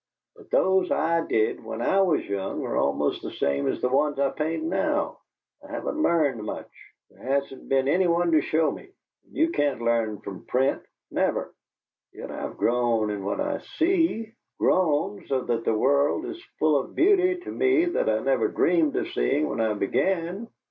But those I did when I was young are almost the same as the ones I paint now. I haven't learned much. There hasn't been any one to show me! And you can't learn from print, never! Yet I've grown in what I SEE grown so that the world is full of beauty to me that I never dreamed of seeing when I began.